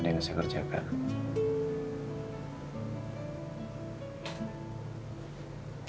ada yang bisa kerjakan